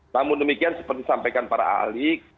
namun demikian seperti disampaikan para ahli